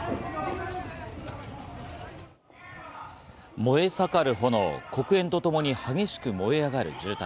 燃え盛る炎、黒煙とともに激しく燃え上がる住宅。